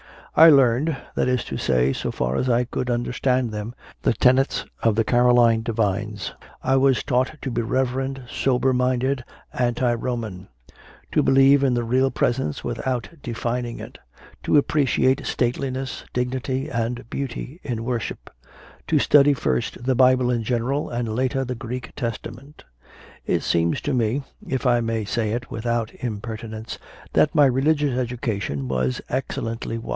I learned that is to say, so far as I could understand them the tenets of the Caroline divines; I was taught to be reverent, sober minded, anti Roman; to believe in the Real Presence without denning it; to appreciate state liness, dignity, and beauty in worship; to study first the Bible in general and later the Greek Testament. It seems to me, if I may say it without impertinence, that my religious education was excellently wise.